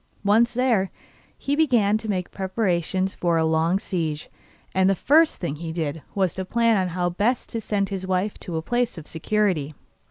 Once there, he began to make preparations for a long siege, and the first thing he did was to plan how best to send his wife to a place of security.